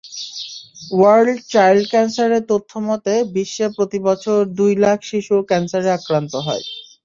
World child ক্যানসারের তথ্যমতে, বিশ্বে প্রতিবছর দুই লাখ শিশু ক্যানসারে আক্রান্ত হয়।